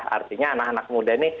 artinya anak anak muda ini